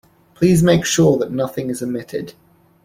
Please make sure that nothing is omitted.